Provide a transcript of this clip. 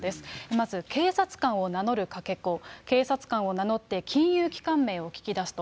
まず、警察官を名乗るかけ子、警察官を名乗って金融機関名を聞き出すと。